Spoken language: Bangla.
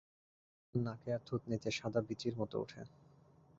আমার নাকে আর থুতনিতে সাদা বিচির মত উঠে।